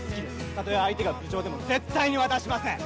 たとえ相手が部長でも絶対に渡しません！